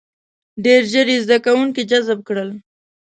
• ډېر ژر یې زده کوونکي جذب کړل.